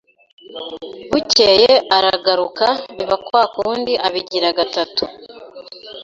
Bukeye aragaruka biba kwa kundi abigira gatatu